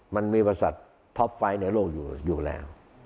มันมีบริษัทท็อปไฟต์ในโลกอยู่แล้ว